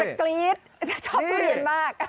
อยากจะกรี๊ดจะชอบทุเรียนมาก